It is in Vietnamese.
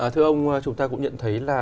thưa ông chúng ta cũng nhận thấy là